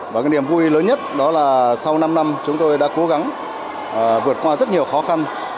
và cái niềm vui lớn nhất đó là sau năm năm chúng tôi đã cố gắng vượt qua rất nhiều khó khăn